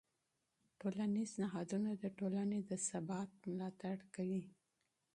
ټولنیز نهادونه د ټولنې د ثبات ملاتړ کوي.